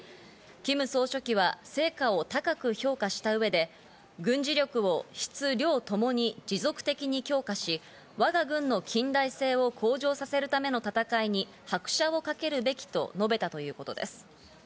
キム総書記は成果を高く評価した上で軍事力を質・量ともに持続的に強化し、わが軍の近代性を向上させるための戦いに拍車をかけるべきと述べたということです。